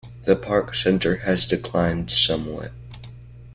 The Park Center has declined somewhat.